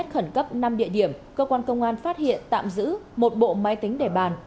khẩn cấp năm địa điểm cơ quan công an phát hiện tạm giữ một bộ máy tính để bàn